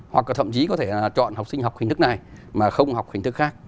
hoặc là thậm chí có thể chọn học sinh học hình thức này mà không học hình thức khác